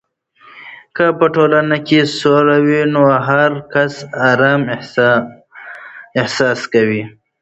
که په ټولنه کې سوله وي، نو هر کس آرام احساس کوي.